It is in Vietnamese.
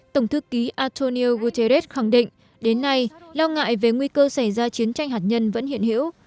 tổng thư ký antonio guterres khẳng định đến nay lo ngại về nguy cơ xảy ra chiến tranh hạt nhân vẫn hiện hữu